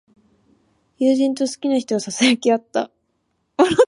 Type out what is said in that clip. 友人と好きな人をささやき合った。